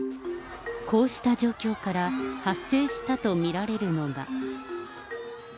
こうした状況から発生したと見られるのが。